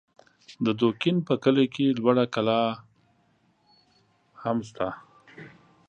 د دوکین په کلي کې لوړه کلا هم سته